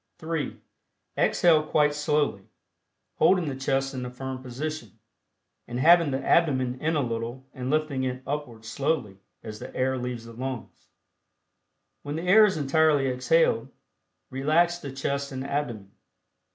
(3) Exhale quite slowly, holding the chest in a firm position, and having the abdomen in a little and lifting it upward slowly as the air leaves the lungs. When the air is entirely exhaled, relax the chest and abdomen.